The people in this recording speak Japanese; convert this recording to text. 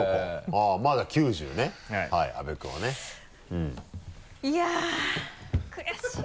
あっまぁ９０ね阿部君はね。いや悔しいな。